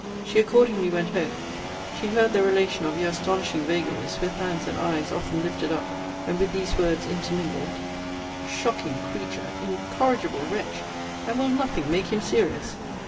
'She accordingly went home. She heard the relation of your astonishing vagaries, with hands and eyes often lifted up; and with these words intermingled, Shocking creature! incorrigible wretch! And will nothing make him serious?